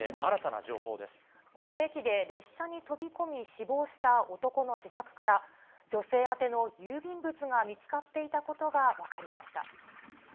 この駅で列車に飛び込み、死亡した男の自宅から、女性宛ての郵便物が見つかっていたことが分かりました。